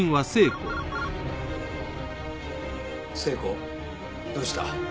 聖子どうした？